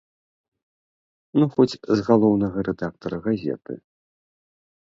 Ну хоць з галоўнага рэдактара газеты!